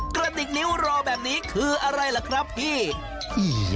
กระติกนิ้วรอแบบนี้คืออะไรล่ะครับพี่อืม